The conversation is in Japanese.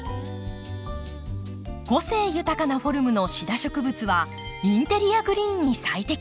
個性豊かなフォルムのシダ植物はインテリアグリーンに最適。